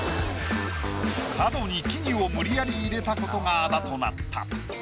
角に木々を無理やり入れたことがあだとなった。